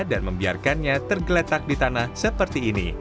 dan membiarkannya tergeletak di tanah seperti ini